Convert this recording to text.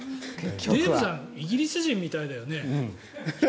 デーブさんイギリス人みたいだよね。